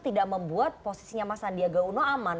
tidak membuat posisinya mas sandiaga uno aman